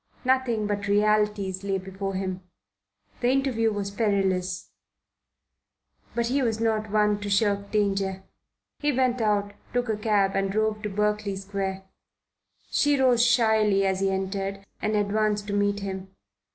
Nothing but realities lay before him. The interview was perilous; but he was not one to shirk danger. He went out, took a cab and drove to Berkeley Square. She rose shyly as he entered and advanced to meet him.